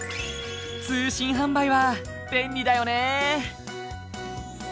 通信販売は便利だよね。